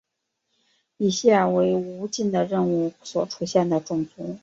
以下为无尽的任务所出现的种族。